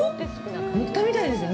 塗ったみたいですね。